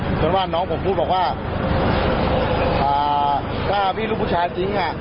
เพราะว่าน้องผมพูดเรากว่าอ่าก็พี่รู้ว่าบุญชาจริงอ่ะ